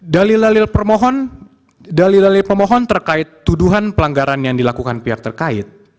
dalil dalil pemohon terkait tuduhan pelanggaran yang dilakukan pihak terkait